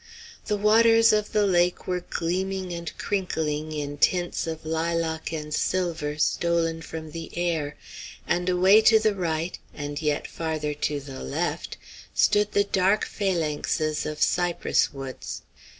The waters of the lake were gleaming and crinkling in tints of lilac and silver stolen from the air; and away to the right, and yet farther to the left, stood the dark phalanxes of cypress woods.